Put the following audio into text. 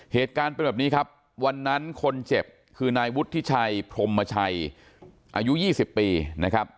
เหตุการณ์เป็นแบบนี้ครับวันนั้นคนเจ็บคือนายวุฒิชัยพรมชัยอายุ๒๐ปีนะครับ